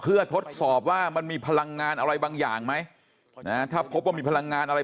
เพื่อทดสอบว่ามันมีพลังงานอะไรบางอย่างไหมถ้าพบว่ามีพลังงานอะไร